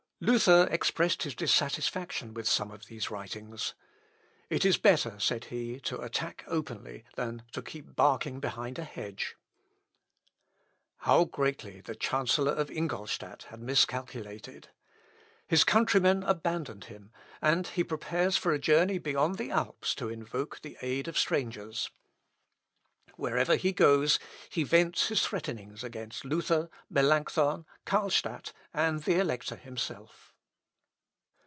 Luther expressed his dissatisfaction with some of these writings. "It is better," said he, "to attack openly than to keep barking behind a hedge." Melior est aperta criminatio, quam iste sub sepe morsus. (Ibid. p. 425.) How greatly the chancellor of Ingolstadt had miscalculated! His countrymen abandon him, and he prepares for a journey beyond the Alps, to invoke the aid of strangers. Wherever he goes he vents his threatenings against Luther, Melancthon, Carlstadt, and the Elector himself.